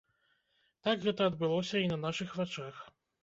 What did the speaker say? Так гэта адбылося і на нашых вачах.